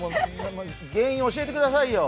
原因教えてくださいよ。